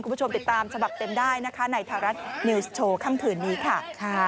คุณผู้ชมติดตามสบับเต็มได้ในทารัศนิวส์โชว์ข้างคืนนี้ค่ะ